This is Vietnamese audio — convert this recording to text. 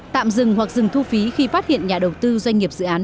tạm dừng hoặc dừng thu phí khi phát hiện nhà đầu tư doanh nghiệp dự án